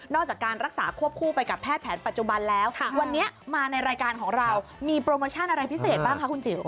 จากการรักษาควบคู่ไปกับแพทย์แผนปัจจุบันแล้ววันนี้มาในรายการของเรามีโปรโมชั่นอะไรพิเศษบ้างคะคุณจิ๋ว